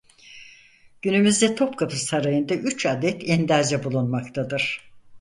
Günümüzde Topkapı Sarayı'nda üç adet endâze bulunmaktadır.